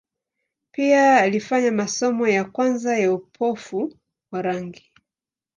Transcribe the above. Pia alifanya masomo ya kwanza ya upofu wa rangi.